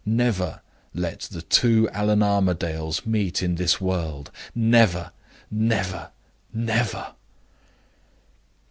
Never let the two Allan Armadales meet in this world: never, never, never!